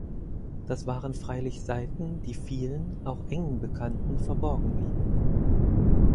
Das waren freilich Seiten, die vielen, auch engen Bekannten, verborgen blieben.